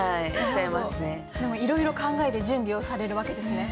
いろいろ考えて準備をされるわけですね。